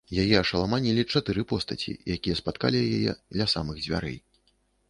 Яе ашаламанілі чатыры постаці, якія спаткалі яе ля самых дзвярэй.